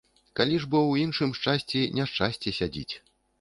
Калі ж бо ў іншым шчасці няшчасце сядзіць.